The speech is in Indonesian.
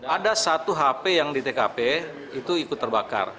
ada satu hp yang di tkp itu ikut terbakar